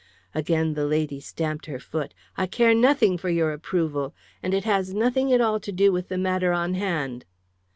Again the lady stamped her foot. "I care nothing for your approval! And it has nothing at all to do with the matter on hand."